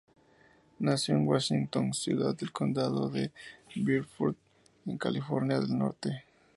Nació en Washington, ciudad del condado de Beaufort en Carolina del Norte.